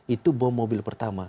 itu bom mobil pertama